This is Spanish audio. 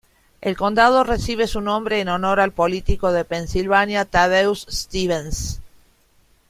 El condado recibe su nombre en honor al político de Pensilvania Thaddeus Stevens.